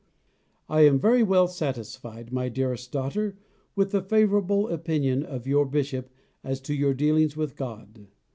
I am very well satisfied, my dearest daughter, with the favourable opinion of your Bishop as to your dealings with God.